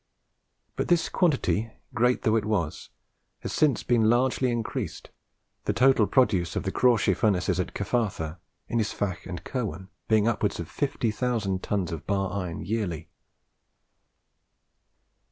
But this quantity, great though it was, has since been largely increased, the total produce of the Crawshay furnaces of Cyfartha, Ynysfach, and Kirwan, being upwards of 50,000 tons of bar iron yearly.